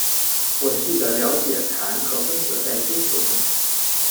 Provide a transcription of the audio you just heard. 我试着了解凯恩和芬格在追求什么。